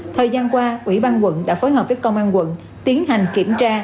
thời gian qua ubnd đã phối hợp với công an quận tiến hành kiểm tra